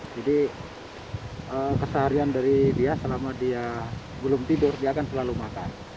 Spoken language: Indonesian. jadi keseharian dari dia selama dia belum tidur dia akan selalu makan